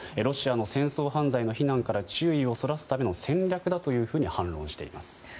ロシアの戦争犯罪の非難から注意をそらすための戦略だというふうに反論しています。